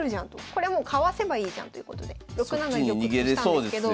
これもうかわせばいいじゃんということで６七玉としたんですけど。